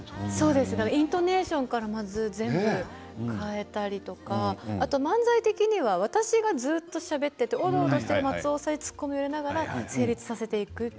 イントネーションから変えたりとか漫才的には私がずっとしゃべっていておろおろしている松尾さんにツッコミを入れながら成立させていく。